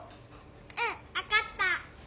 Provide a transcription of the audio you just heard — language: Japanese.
うん分かった。